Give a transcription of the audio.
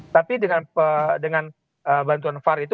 tapi dengan bantuan var itu